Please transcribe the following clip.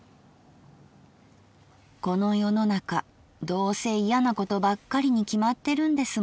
「この世の中どうせ嫌なことばっかりに決まってるんですものね。